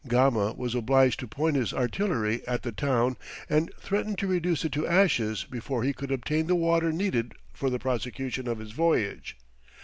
Gama was obliged to point his artillery at the town and threaten to reduce it to ashes before he could obtain the water needed for the prosecution of his voyage.